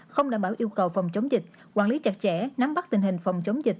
không đảm bảo yêu cầu phòng chống dịch quản lý chặt chẽ nắm bắt tình hình phòng chống dịch